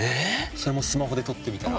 それもスマホで撮ってみたら。